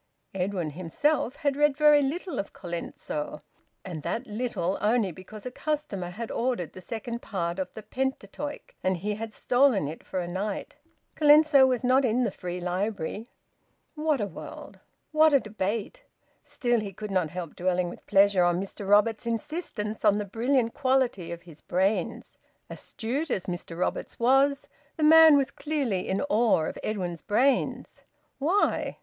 Edwin himself had read very little of Colenso and that little only because a customer had ordered the second part of the "Pentateuch" and he had stolen it for a night. Colenso was not in the Free Library... What a world! What a debate! Still, he could not help dwelling with pleasure on Mr Roberts's insistence on the brilliant quality of his brains. Astute as Mr Roberts was, the man was clearly in awe of Edwin's brains! Why?